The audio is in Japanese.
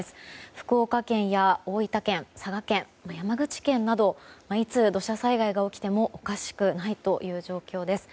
福岡県や大分県、佐賀県山口県などいつ土砂災害が起きてもおかしくないという状況です。